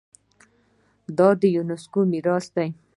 دا د یونیسکو میراث دی.